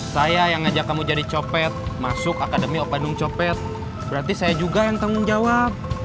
saya yang ngajak kamu jadi copet masuk akademi opadung copet berarti saya juga yang tanggung jawab